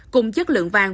cùng chất lượng vàng